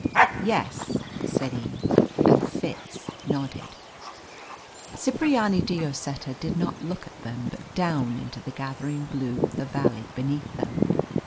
"Yes," said Eve; and Fitz nodded. Cipriani de Lloseta did not look at them, but down into the gathering blue of the valley beneath them.